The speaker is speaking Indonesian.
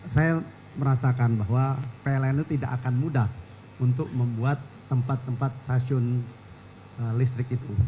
saya merasakan bahwa pln itu tidak akan mudah untuk membuat tempat tempat stasiun listrik itu